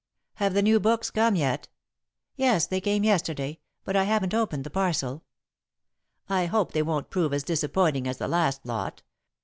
"Have the new books come yet?" "Yes, they came yesterday, but I haven't opened the parcel." "I hope they won't prove as disappointing as the last lot.